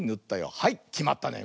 はいきまったね。